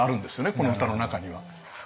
この歌の中には。